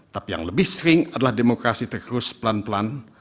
tapi yang lebih sering adalah demokrasi terus pelan pelan